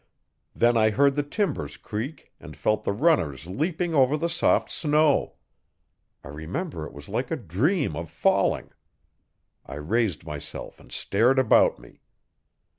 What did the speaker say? Then I heard the timbers creak and felt the runners leaping over the soft snow. I remember it was like a dream of falling. I raised myself and stared about me.